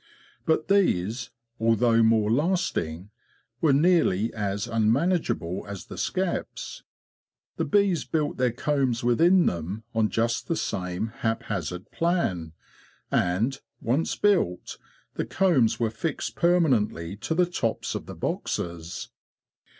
But these, although more lasting, were nearly as unmanageable as the skeps. The bees built their combs within them on just the same haphazard plan; and, once built, the combs were fixed permanently to the tops of the boxes.